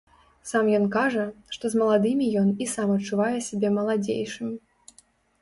Сам ён кажа, што з маладымі ён і сам адчувае сябе маладзейшым.